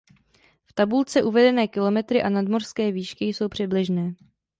V tabulce uvedené kilometry a nadmořské výšky jsou přibližné.